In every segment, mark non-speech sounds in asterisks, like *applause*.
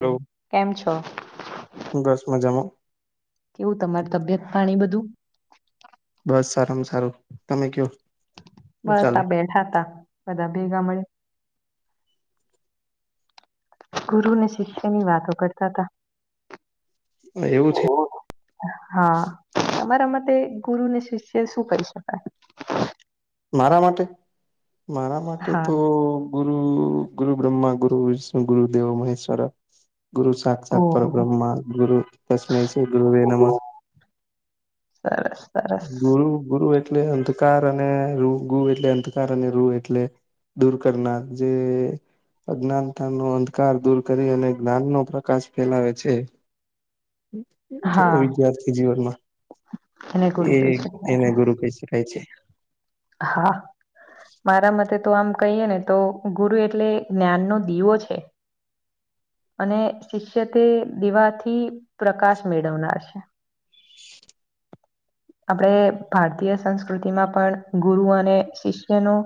Hello કેમ છો બસ મજામાં. કેવું તમાર તબિયત પાણી બધું. બસ સારામાં સારું તમે કયો. શું બસ ચાલે આ બેઠા તા બધા ભેગા મડી ન. ગુરુને શિષ્યની વાતો કરતા તા. એવું છે હા. તમારા માટે ગુરુને શિષ્ય શું કરી શકાય? મારા માટે? મારા માટે હા તો ગુ રુ ગુરુ બ્રહ્મા ગુરુ વિષ્ણુ ગુરુ દેવો મહેશ્વરા. ગુરુ સાક્ષાત ઓહ પરબ્રહ્મા ગુરુ તસમય છે ગુરુવે નમઃ. સરસ સરસ ગુરુ-ગુરુ એટલે અંધકાર અને રુ ગુ એટલે અંધકાર અને રુ એટલે દૂર કરનાર, જે અજ્ઞાનતા નો અંધકાર દૂર કરી અને જ્ઞાન નો પ્રકાશ ફેલાવે છે. *inaudible* હા જો વિધ્યાર્થી એને ગુરુ જીવનમાં એ કહી શકાય એને ગુરુ કહી શકાય છે. હા. મારા મતે તો આમ કહીએ ને તો ગુરુ એટલે જ્ઞાનનો દીવો છે. અને શિષ્ય તે દીવાથી પ્રકાશ મેળવનાર છે. *inaudible* આપણે ભારતીય સંસ્કૃતિમાં પણ ગુરુ અને શિષ્ય નું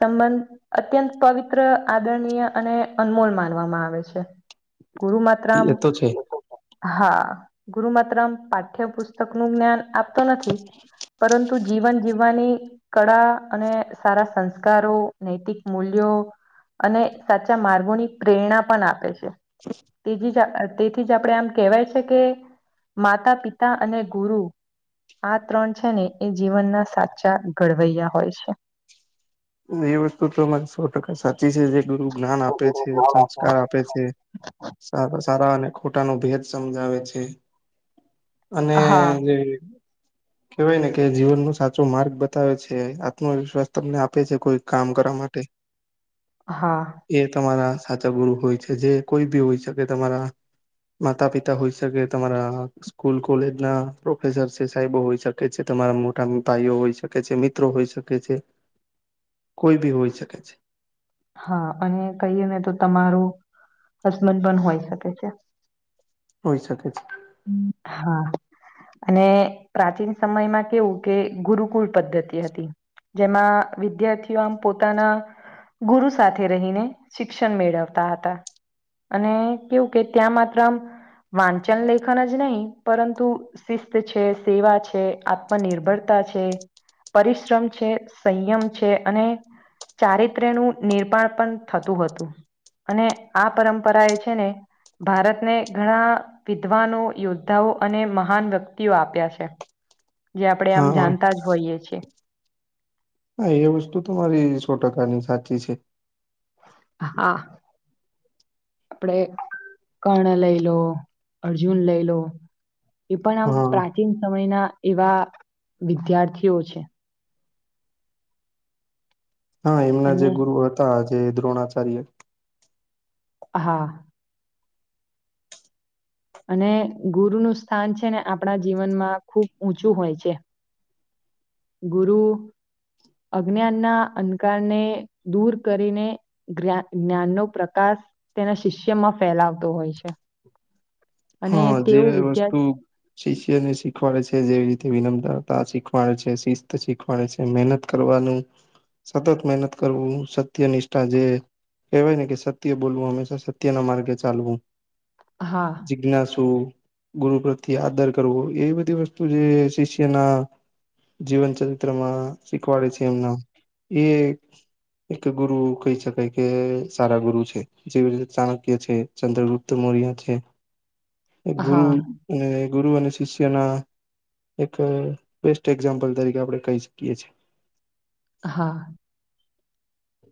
સંબંધ અત્યંત પવિત્ર આદરણીય અને અનમોલ માનવામાં આવે છે. ગુરુ માત્રમ, એ તો છે હા. અહ ગુરુ માત્રમ પાઠ્યપુસ્તક નું જ્ઞાન આપતો નથી પરંતુ જીવન જીવવાની કળા અને સારા સંસ્કારો, નૈતિક મૂલ્ યો અને સાચા માર્ગોની પ્રેરણા પણ આપે છે. તેજી જ તેથી જ આપડે આમ કહેવાય છે કે માતા, પિતા અને ગુરુ આ ત્રણ છે ને એ જીવનના સાચા ઘડવૈયા હોય છે. એ વસ્તું તમાર સો ટકા સા ચી છે જે ગુરુ જ્ઞાન આપે છે, સંસ્કાર આપે છે, સારા-સારા અને ખોટા નું ભેદ સમજાવે છે, અને હા જે કેવાય ને કે જીવન નો સાચો માર્ગ બતાવે છે, આત્મવિશ્વાસ તમને આપ પે છે કોઈ કામ કરવા માટે. હા એ તમારા સાચા ગુરુ હોય છે, જે કોઈ બી હોય શકે તમારા માતા પિતા હોઈ શકે, તમારા સ્કૂલ કોલેજ ના પ્રોફેસર છે, સાહેબો હોઈ શકે છે તમારા મોટા મિ ભાઈઓ હોઈ શકે છે, મિત્રો હોઈ શકે છે. કોઈ ભી હોઈ શકે છે. હા અને કહીએ ને તો તમારું હસબન્ડ પણ હોય શકે છે. હોય શકે છે હા. અને પ્રાચીન સમયમાં કેવું કે ગુરુકુલ પદ્ધતિ હતી. જેમાં વિદ્યાર્થીઓ આમ પોતાના ગુરુ સાથે રહીને શિક્ષણ મેળવતા હતા. અને કેવું કે ત્યાં માત્ર આમ વાંચન લેખન જ નહી પરંતુ શિસ્ત છે, સેવા છે, આત્મનિર્ભરતા છે. પરિશ્રમ છે, સંયમ છે, અને ચારિત્ર્યનું નિર્પાણ પણ થતું હતું. અને આ પરંપરા એ છે ને ભારતને ઘણા વિધવાનો યોદ્ધાઓ અને મહાન વ્યક્તિઓ આપ્યા છે. જે આપણે આમ હા જાણતા જ હોઈએ છે. હા એ વસ્તુ તમારી સો ટકાની સાચી છે. હા. આપડે કર્ણ લઈ લો, અર્જુન લઈ લો. એ પણ આમ હા પ્રાચીન સમયના એવા વિદ્યાર્થીઓ છે. હા એમના અને જે ગુરુ હતા જે દ્રોણાચાર્ય. હા. અને ગુરુનું સ્થાન છે ને આપણા જીવનમાં ખૂબ ઊંચું હોય છે. ગુરુ અજ્ઞાનના અંધકારને દૂર કરીને જ્ઞાનનો પ્રકાર તેના શિષ્યમાં ફેલાવતો હોય છે. અને હા. જે તેઓ વિદ્યા વસ્તુ શિષ્યને શીખવાડે છે જેવી રીતે વિનમ મ્રતા શીખવાડે છે, શિસ્ત શીખવાડે છે, મહેનત કરવાનું સતત મહેનત કરવું, સત્ય, નિષ્ઠા જે કહેવાય ને કે સત્ય બોલવું, હંમેશા સત્યના માર્ગે ચાલવું. હા. જિજ્ઞાસુ ગુરુ પ્રત્યે આદર કરવો, એવી બધી વસ્તુ જે શિષ્યના જીવન ચરિત્રમાં શીખવાડે છે એમના. એ એક ગુરુ કહી શકાય કે સારા ગુરુ છે. જેવી રીતે ચાણક્ય છે, ચંદ્રગુપ્ત મૌર્ય છે. એક ગુરુ હા અને ગુરુ અને શિષ્યના એક બેસ્ટ એક્ઝામ્પલ તરીકે આપણે કહી શકીએ છે. હા.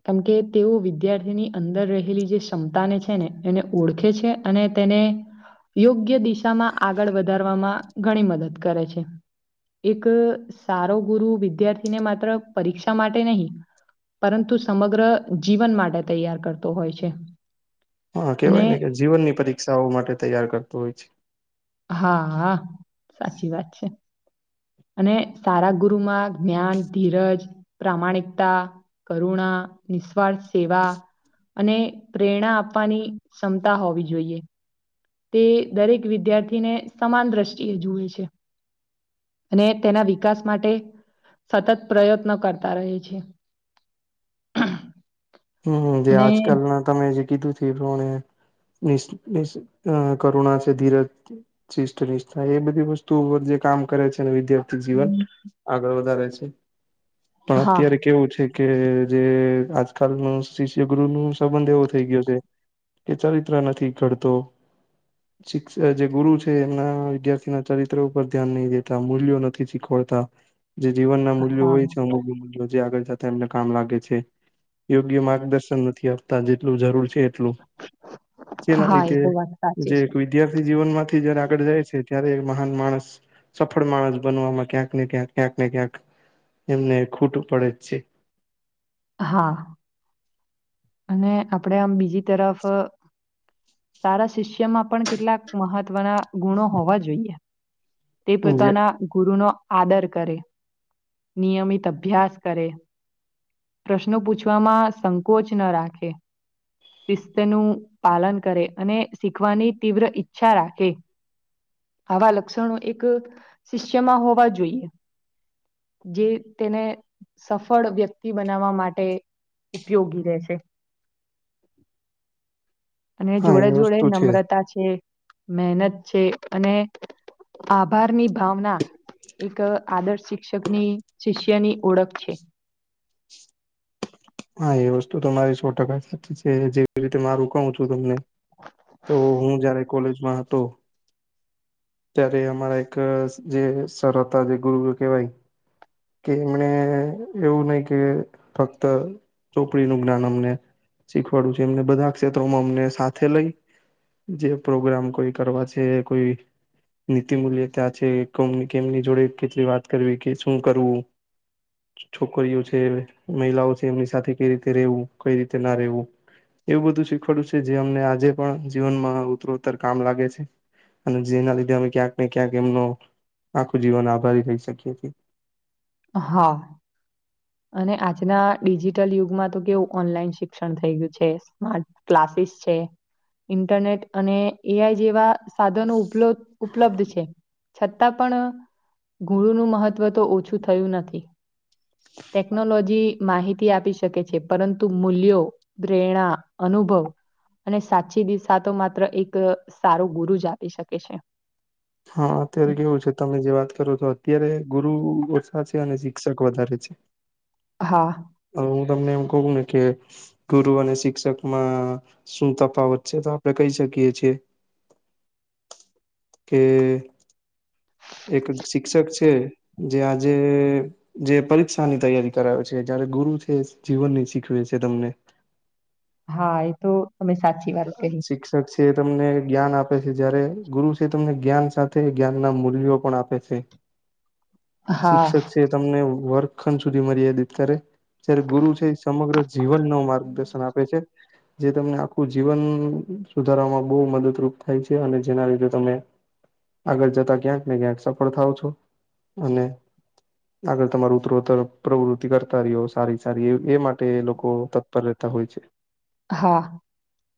કેમ કે તેઓ વિદ્યાર્થી ની અંદર રહેલી જે ક્ષમતાને છે ને એને ઓળખે છે, અને તેને યોગ્ય દિશામાં આગળ વધારવામાં ઘણી મદદ કરે છે. એક સારો ગુરુ વિદ્યાર્થીને માત્ર પરીક્ષા માટે નહીં પરંતુ સમગ્ર જીવન માટે તૈયાર કરતો હોય છે. હા અને કેવાય ને કે જીવનની પરીક્ષાઓ માટે તૈયાર કરતું હોય છે. હા, હા સાચી વાત છે. અને સારા ગુરુમાં જ્ઞાન, ધીરજ, પ્રામાણિકતા કરુણા, નિસ્વાર્થ સેવા અને પ્રેરણા આપવાની ક્ષમતા હોવી જોઈએ. તે દરેક વિદ્યાર્થીને સમાન દ્રષ્ટિએ જુએ છે. અને તેના વિકાસ માટે સતત પ્રયત્ન કરતા રહે છે. હમ્મ-હમ્મ. જે અને આજકાલના તમે જે કીધું છે એ પ્રમાણે બેસ્ટ બેસ અન કરુણા છે ધીરજ શિષ નિષ્ઠા એ બધી વસ્તુઓ જે કામ કરે છે વિદ્યાર્થી જીવન આગળ વધારે છે પણ હા અત્યારે કેવું છે કે જે આજ કાલનો શિષ્ય ગુરુનુ સંબંધ એવો થઈ ગયો છે કે ચારિત્ર નથી ઘડતો શિક્ષ જે ગુરુ છે એમના વિદ્યાર્થી ના ચરિત્ર ઉપર ધ્યાન નહી દેતા મૂલ્યો નથી શીખવા તથા જે જીવનના મૂલ્યો હા હોય છે અમુક જે આગળતા એમને કામ લાગે છે યોગ્ય માર્ગદર્શન નથી આપતા જેટલું જરૂર છે એટલું જેના હા એ લીધે તો વાત સાચી જે છે. એક વિદ્યાર્થી જીવનમાં થી જ્યારે આગળ જાય છે ત્યારે એ મહાન માણસ, સફળ માણસ બનવામાં ક્યાંક ને ક્યાંક, ક્યાંક ને ક્યાંક એમને ખોટું પડે જ છે. હા. અને આપડે આમ બીજી તરફ અહ સારા શિષ્યમાં પણ કેટલાક મહત્વના ગુણો હોવા જોઈએ. તે છે જે પોતાના ગુરુનો આદર કરે, નિયમિત અભ્યાસ કરે. પ્રશ્નો પૂછવામાં સંકોચ ન રાખે શિસ્તનું પાલન કરે અને શીખવાની તીવ્ર ઈચ્છા રાખે આવા લક્ષણો એક શિષ્યમાં હોવા જોઈએ જે તેને સફળ વ્યક્તિ બનાવવા માટે ઉપયોગી રહેે એ અને હા જોડે એ જોડે વસ્તુ છે નમ્રતા છે મહેનત છે અને આભારની ભાવના એક આદર્શ શિક્ષકની શિષ્યની ઓળખ છે હા એ વસ્તુ તમારી સો ટકા સાચી છે જેવી રીતે મારું કોવું છું તમને તો હું જયારે કોલેજમાં હતો ત્યારે અમારા એક જે સર હતા જે ગુરુ કહેવાય કે એમણે એવું નહિ કે ફક્ત ચોપડીનું જ્ઞાન અમને શીખવાડું છે એમને બધા ક્ષેત્રોમાં અમને સાથે લઈ જે પ્રોગ્રામ કોઈ કરવા છે કોઈ નીતિ મૂલ્ય ત્યાં છે એ કોની કેમની જોડે કેટલી વાત કરવી કે શું કરવું છોકરીઓ છે મહિલાઓ છે એમની સાથે કઈ રીતે રહેવું કઈ રીતે ના રહેેવું એવું બધું શીખવાડ્યું છે જે અમને આજે પણ જીવનમાં ઉતરોતર કામ લાગે છે અને જેના લીધે અમે ક્યાંક ને ક્યાંક એમનો આખું જીવન આભારી થઈ શકી હતી હા અને આજના ડિજીિટલ યુગમાં તો કેવું ઓનલાઈન શિક્ષણ થઈ ગયું છે સ્માર્ટ ક્લાસીસ છે એ ઇન્ટરનેટ અને એ આઈ જેવા સાધનો ઉપલબ ઉપલબ્ધ છે છતાં પણ ગુરુંનું મહત્વ તો ઓછું થયું નથી ટેકનોલોજી માહિતી આપી શકે છે પરંતુ મૂલ્યો, પ્રેરણા, અનુભવ અને સાચી દિશા તો માત્ર એક સારો ગુરુ જ આપી શકે છે હા અત્યારે કેવું છે તમે જે વાત કરો છો અત્યારે ગુરુ ઓછા છે અને શિક્ષક વધારે છે હા અ હું તમને એમ કેવું ને કે ગુરુ અને શિક્ષકમાં શું તફાવત છે તો આપડે કહી શકીએ છે કે એક શિક્ષક છે જે આજે જે પરીક્ષાની તૈયારી કરાવે છે જા જ્યારે ગુરુ છે એ જીવનની શીખવે છે તમને. હા એ તો તમે સાચી વાત કહી. તે તમને જ્ઞાન આપે છે, જયારે ગુરુ છે એ તમને જ્ઞાન સાથે જ્ઞાનના મૂલ્યો પણ આપે છે. હા શિક્ષક છે એ તમને વર્ગખંડ સુધી મર્યાદિત કરે જયારે ગુરુ છે એ સમગ્ર જીવનનું માર્ગદર્શન આપે છે. જે તમને આખ ખું જીવન સુધારવામાં બહુ મદદરૂપ થાય છે. અને જેના લીધે તમે આગળ જતા ક્યાંક ને ક્યાંક સફળ થાવ છો. અને આગળ તમારું ઉત્તરોતર પ્રવૃતિ કરતા રહ્યો સારી-સારી એ એ માટે લોકો તત્પર રહેત તા હોય છે. હા.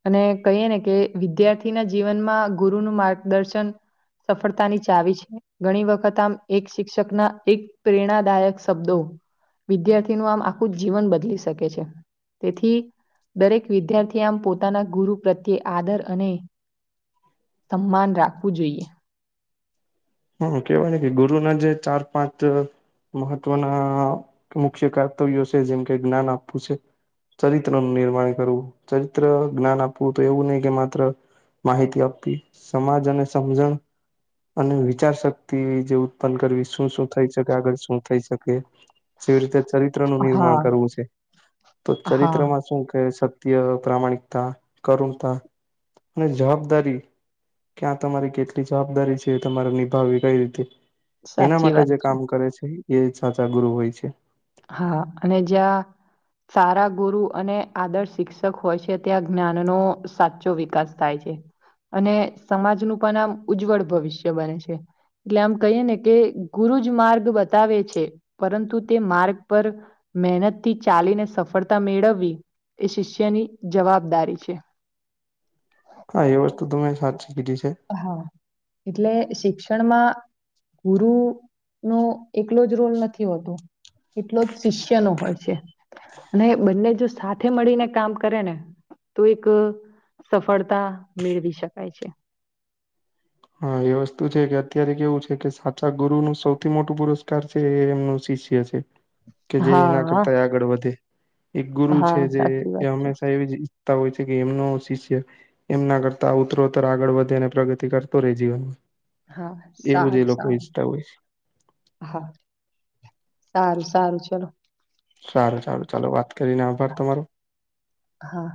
અને કહીએ ને કે વિદ્યાર્થીના જીવનમાં ગુરુનું માર્ગદર્શન સફળતાની ચાવી છે ઘણી વખત આમ એક શિક્ષકના એક પ્રેરણાદાયક શબ્દો વિદ્યાર્થીનું આમ આખું જીવન બદલી શકે છે તેથી દરેક વિદ્યાર્થી આમ પોતાના ગુરુ પ્રત્યે આદર અને સમ્માન રાખવું જોઈએ હમ કેવાય ને કે ગુરુના જે ચાર પાંચ મહત્વના મુખ્ય કર્તવ્યો છે જેમ કે જ્ઞાન આપવું છે ચરિત્રનું નિર્માણ કરવું ચરિત્ર, જ્ઞાન આપવું તો એવું નહીં કે માત્ર માહિતી આપવી, સમાજ અને સમજણ અને વિચ ચાર શક્તિ જે ઉત્પન્ન કરવી, શું-શું થઈ શકે, આગળ શું થઈ શકે જેવી રીતે ચરિત્રનું હા નિર્માણ કરવું છે. તો હા ચરિત્રમાં શું કે સ ત્ય, પ્રામાણિકતા, કરુણતા અને જવાબદારી કયાં તમારી કેટલી જવાબદારી છે એ તમારે નિભાવવી કઈ રીતે એના સાચી માટે વાત જે છે. કામ કરે છે એ સાચા ગુરુ હોય છે. હા અને જ્યાં સારા ગુરુ અને આદર્શ શિક્ષક હોય છે ત્યાં જ્ઞાનનો સાચો વિકાસ થાય છે. અને સમાજનું પણ આમ ઉજ્જવળ ભવિષ્ય બને છે. એટલે આમ કહીએ ને કે ગુરુ જ માર્ગ બતાવે છે પરંતુ તે માર્ગ પર મહેનતથી ચાલીને સફળતા મેળવવી એ શિષ્યની જવાબદારી છે. હા, એ વસ્તુ તમે સાચી કીધી છે. હા એટલે શિક્ષણમાં ગુરુનો એકલો જ રોલ નથી હોતો. એટલો જ શિષ્યનો હોય છે અને બંને જો સાથે મળીને કામ કરે ને તો એક સફળતા મેળવી શકાય છે. હા, એ વસ્તુ છે કે અત્યારે કેવું છે કે સાચા ગુરુનું સૌથી મોટું પુરસ્કાર છે એમનું શિષ્ય છે કે જે એના હા કરતાય આગળ વધે. એક ગુરુ હા છે જે સાચી એ વાત છે. હંમેશા એવી જ કરતા હોય છે કે એમનું શિષ્ય એમના કરતા ઉતરોત્તર આગળ વધે અને પ્રગતિ કરે. તો રે જીવન. હા, સારું સારું. હોય છે. હા, સારું. સારું ચલો. સારું ચાલો ચાલો વાત કરીને આભાર તમારો. હા